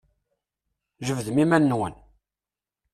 Jebdem iman-nwen!